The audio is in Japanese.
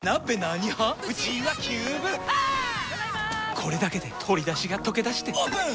これだけで鶏だしがとけだしてオープン！